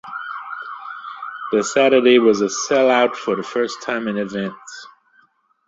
The Saturday was a sell out for the first time in advance.